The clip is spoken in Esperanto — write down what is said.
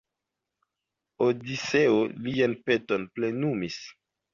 Odiseo lian peton plenumis.